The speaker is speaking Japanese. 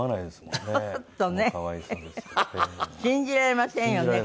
信じられませんよね。